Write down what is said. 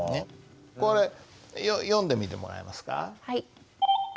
これ読んでみてもらえますか？